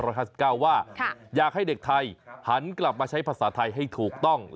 ว่าอยากให้เด็กไทยหันกลับมาใช้ภาษาไทยให้ถูกต้อง